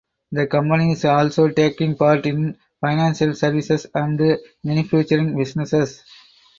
The company is also taking part in financial services and manufacturing businesses.